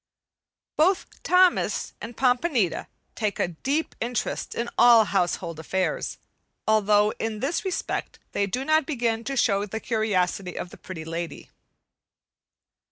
Both Thomas and Pompanita take a deep interest in all household affairs, although in this respect they do not begin to show the curiosity of the Pretty Lady.